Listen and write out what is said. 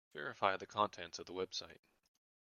Verify the contents of the website.